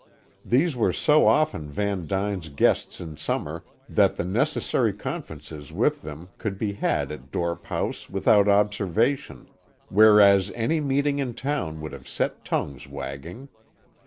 These were so often Van Duyn's guests in summer that the necessary conferences with them could be had at Dorp House without observation, whereas any meeting in town would have set tongues wagging.